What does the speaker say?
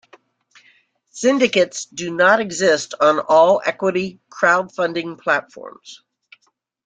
Syndicates do not exist on all equity crowdfunding platforms.